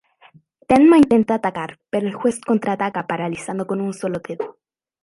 Tenma intenta atacar, pero el Juez contraataca paralizando con un solo dedo.